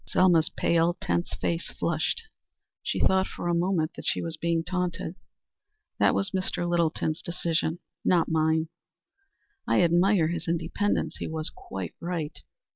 Selma's pale, tense face flushed. She thought for a moment that she was being taunted. "That was Mr. Littleton's decision, not mine." "I admire his independence. He was quite right.